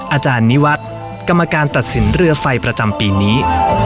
อาจารย์นิวัฒน์กรรมการตัดสินเรือไฟประจำปีนี้